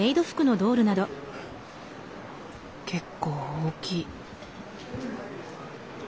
結構大きい。